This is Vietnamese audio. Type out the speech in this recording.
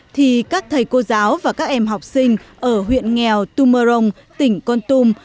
thì các thầy cô giáo và các em học sinh ở huyện nghèo tumorong tỉnh con tum